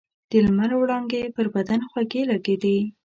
د لمر وړانګې پر بدن خوږې لګېدې.